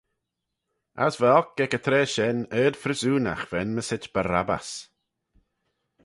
As va oc ec y traa shen ard-phryssoonagh v'enmyssit Barabbas.